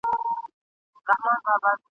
قدر کېمیا دی په دې دیار کي !.